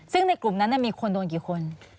ซึ่งในกลุ่มนั้นมีคนโดนกี่คน